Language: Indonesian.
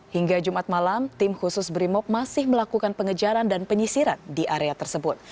hingga jumat malam tim khusus brimob masih melakukan pengejaran dan penyisiran di area tersebut